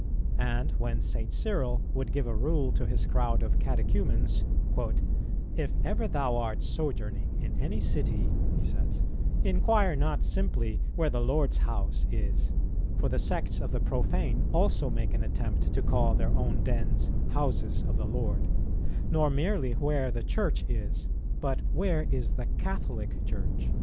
And when St. Cyril would give a rule to his crowd of Catechumens, "If ever thou art sojourning in any city," he says, "inquire not simply where the Lord's house is, (for the sects of the profane also make an attempt to call their own dens houses of the Lord,) nor merely where the Church is, but where is the Catholic Church.